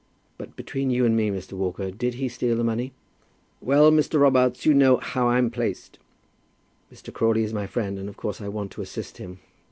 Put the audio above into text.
"But between you and me, Mr. Walker, did he steal the money?" "Well, Mr. Robarts, you know how I'm placed." "Mr. Crawley is my friend, and of course I want to assist him.